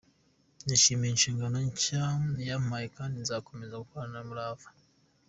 Nishimiye inshingano nshya yampaye kandi Nzakomeza gukorana umurava.